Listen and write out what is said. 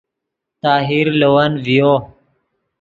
طاہر لے ون ڤیو